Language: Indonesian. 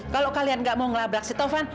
kalau kalian gak mau labrak si taufan